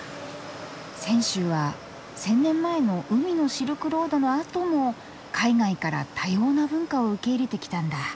泉州は１，０００年前の海のシルクロードのあとも海外から多様な文化を受け入れてきたんだ。